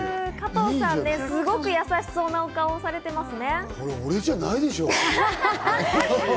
加藤さん、すごく優しいお顔をされてますね。